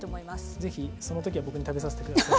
是非その時は僕に食べさせて下さい。